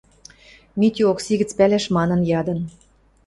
Митю Окси гӹц пӓлӓш манын ядын: